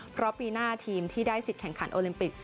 เพราะปีหน้าทีมที่ได้สิทธิ์แข่งขันโอลิมปิก